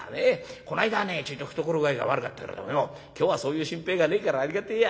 この間ねちょいと懐具合が悪かったけれどもよ今日はそういう心配がねえからありがてえや。